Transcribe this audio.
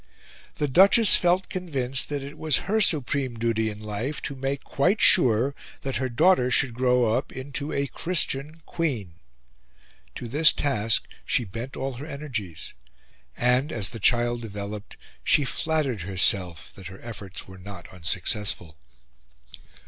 The Duchess felt convinced that it was her supreme duty in life to make quite sure that her daughter should grow up into a Christian queen. To this task she bent all her energies; and, as the child developed, she flattered herself that her efforts were not unsuccessful.